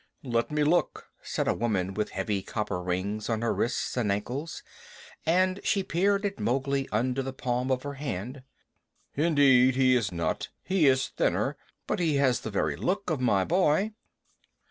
"Let me look," said a woman with heavy copper rings on her wrists and ankles, and she peered at Mowgli under the palm of her hand. "Indeed he is not. He is thinner, but he has the very look of my boy."